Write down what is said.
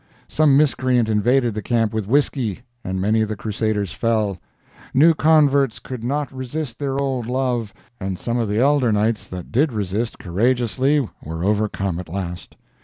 Some miscreant invaded the camp with whiskey, and many of the crusaders fell. New converts could not resist their old love, and some of the elder knights that did resist courageously were overcome at last.